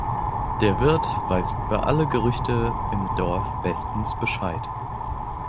Der Wirt weiß über alle Gerüchte im Dorf bestens Bescheid.